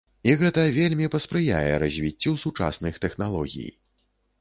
І гэта вельмі паспрыяе развіццю сучасных тэхналогій.